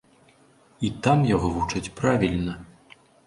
І там яго вучаць правільна!